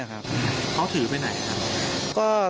เขาถือไปไหนครับ